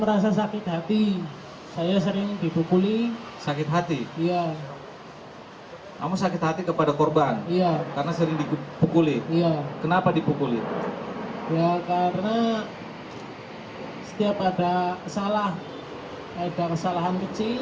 ada kesalahan kecil pasti dia main tangan